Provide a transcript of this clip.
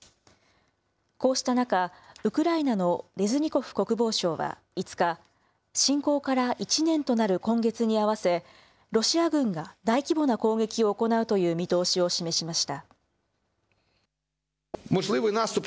こうした中、ウクライナのレズニコフ国防相は５日、侵攻から１年となる今月に合わせ、ロシア軍が大規模な攻撃を行うという見通しを示しました。